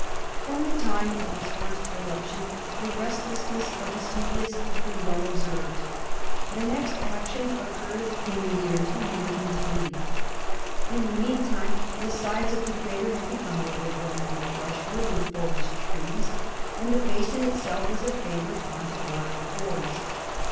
From the time of its first eruption, the restlessness of Vesuvius has been well observed. The next action occurred in the year 203. In the meantime the sides of the crater had become overgrown with brushwood and forest trees, and the basin itself was a favorite haunt of wild boars.